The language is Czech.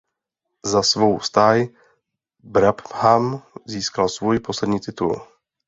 Za svou stáj Brabham získal svůj poslední titul.